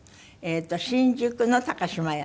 新宿の島屋